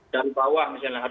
dari bawah misalnya